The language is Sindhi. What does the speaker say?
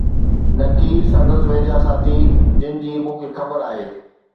نڪي سندس ويجھا ساٿي، جن جي مون کي خبر آھي.